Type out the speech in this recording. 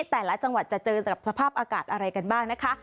แต่ละจังหวัดจะเจอกับสภาพอากาศอะไรกันบ้างนะคะ